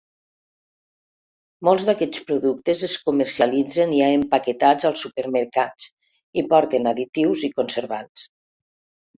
Molts d'aquests productes es comercialitzen ja empaquetats als supermercats i porten additius i conservants.